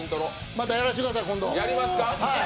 またやらせてください、今度。